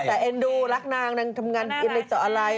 แต่เอ็นดูรักนางนางทำงานเอ็มอะไรต่ออะไร